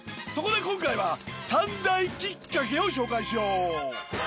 そこで今回は。を紹介しよう。